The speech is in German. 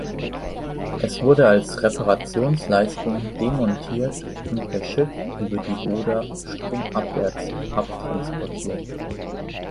Es wurde als Reparationsleistung demontiert und per Schiff über die Oder stromabwärts abtransportiert.